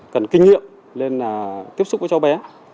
cần kinh nghiệm lên là tiếp xúc với cháu bé